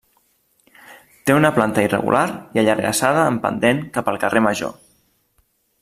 Té una planta irregular i allargassada en pendent cap al Carrer Major.